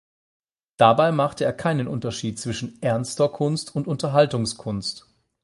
Dabei machte er keinen Unterschied zwischen „ernster“ Kunst und Unterhaltungskunst.